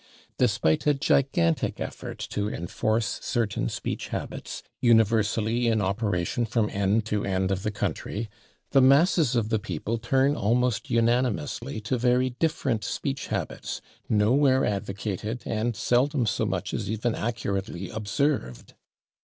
Despite a gigantic effort to enforce certain speech habits, universally in operation from end to end of the country, the masses of the people turn almost unanimously to very different speech habits, nowhere advocated and seldom so much as even accurately observed.